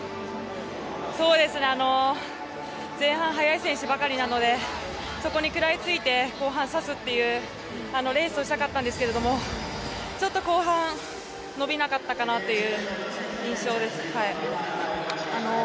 前半速い選手ばかりなのでそこに食らいついて後半さすというレースをしたかったんですがちょっと後半、伸びなかったかなという印象です。